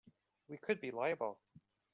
We could be liable.